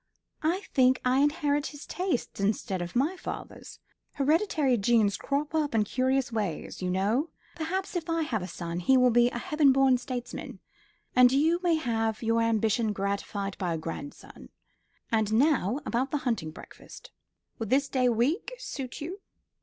I think I inherit his tastes, instead of my father's. Hereditary genius crops up in curious ways, you know. Perhaps, if I have a son, he will be a heaven born statesman, and you may have your ambition gratified by a grandson. And now about the hunting breakfast. Would this day week suit you?"